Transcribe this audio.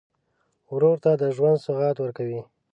ورور ته د ژوند سوغات ورکوې.